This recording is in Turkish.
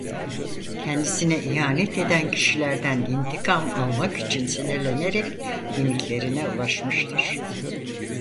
Kendisine ihanet eden kişilerden intikam almak için sinirlenerek limitlerine ulaşmıştır.